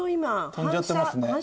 飛んじゃってますね。